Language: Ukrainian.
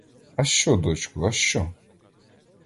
А що, дочко, а що?